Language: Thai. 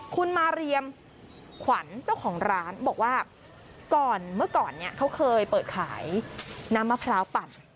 คุณมาเรียมขวัญเจ้าของร้านบอกว่าก่อนเมื่อก่อนเนี่ยเขาเคยเปิดขายน้ำมะพร้าวปั่น